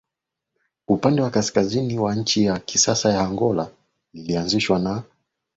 upande wa kaskazini wa nchi ya kisasa ya Angola Lilianzishwa na